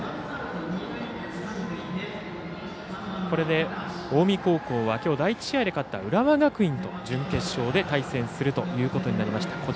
これで、近江高校はきょう第１試合で勝った浦和学院と準決勝で対戦するということになりました。